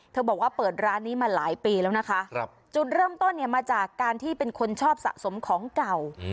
บอกว่าเปิดร้านนี้มาหลายปีแล้วนะคะจุดเริ่มต้นเนี่ยมาจากการที่เป็นคนชอบสะสมของเก่า